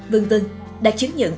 v v đã chứng nhận